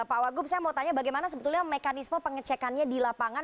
pak wagub saya mau tanya bagaimana sebetulnya mekanisme pengecekannya di lapangan